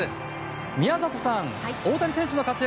宮里さん、大谷選手の活躍